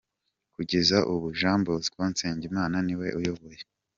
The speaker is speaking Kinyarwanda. Kugeza ubu, Jean Bosco Nsengimana niwe uyoboye.